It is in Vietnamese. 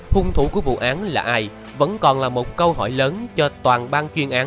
hung thủ của vụ án là ai vẫn còn là một câu hỏi lớn cho toàn bang chuyên án